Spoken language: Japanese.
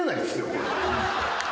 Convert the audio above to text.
これ。